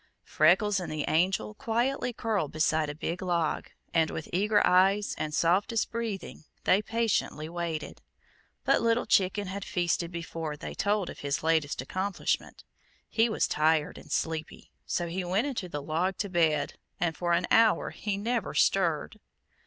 Freckles and the Angel quietly curled beside a big log, and with eager eyes and softest breathing they patiently waited; but Little Chicken had feasted before they told of his latest accomplishment. He was tired and sleepy, so he went into the log to bed, and for an hour he never stirred.